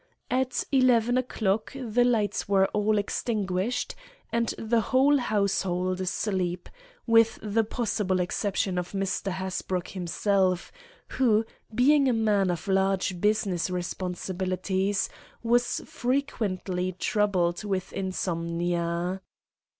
At eleven o'clock the lights were all extinguished, and the whole household asleep, with the possible exception of Mr. Hasbrouck himself, who, being a man of large business responsibilities, was frequently troubled with insomnia.